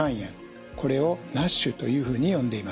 これをＮＡＳＨというふうに呼んでいます。